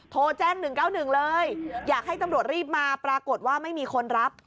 โทรแจ้ง๑๙๑เลยอยากให้ตำรวจรีบมาปรากฏว่าไม่มีคนรับ